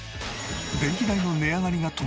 電気代の値上がりが止まらない